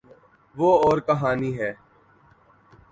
وہ اورکہانی ہے۔